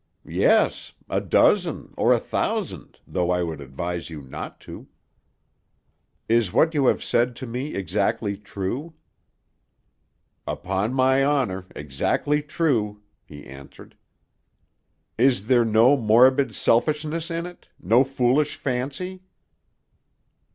"Yes; a dozen, or a thousand, though I would advise you not to." "Is what you have said to me exactly true?" "Upon my honor; exactly true," he answered. "Is there no morbid selfishness in it; no foolish fancy?"